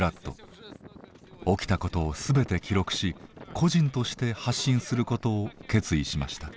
起きたことをすべて記録し個人として発信することを決意しました。